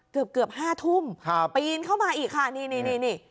เกือบเกือบห้าทุ่มครับปีนเข้ามาอีกค่ะนี่นี่นี่